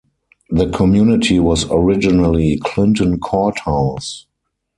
The community was originally Clinton Courthouse.